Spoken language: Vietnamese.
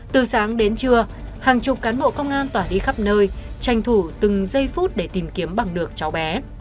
từ sáng đến trưa hàng chục cán bộ công an tỏa đi khắp nơi tranh thủ từng giây phút để tìm kiếm bằng được cháu bé